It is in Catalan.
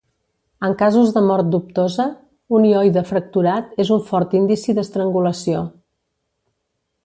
En casos de mort dubtosa, un hioide fracturat és un fort indici d'estrangulació.